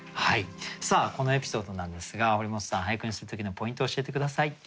このエピソードなんですが堀本さん俳句にする時のポイントを教えて下さい。